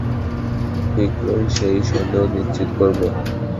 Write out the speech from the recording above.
শিঘ্রই সেই সন্দেহ নিশ্চিত করব।